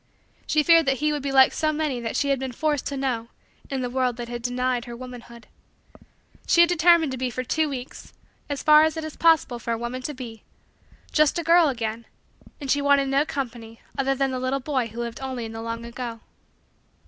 She feared that he would be like so many that she had been forced to know in the world that denied her womanhood. She had determined to be for two weeks, as far as it is possible for a woman to be, just a girl again and she wanted no company other than the little boy who lived only in the long ago.